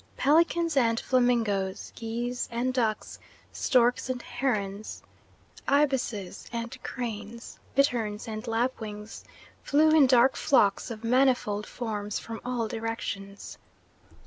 Pelicans and flamingoes, geese and ducks, storks and herons, ibises and cranes, bitterns and lapwings, flew in dark flocks of manifold forms from all directions.